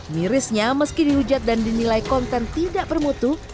mirisnya meski dihujat dan dinilai konten tidak bermutu